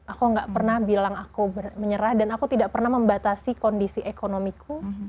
aku gak pernah bilang aku menyerah dan aku tidak pernah membatasi kondisi ekonomiku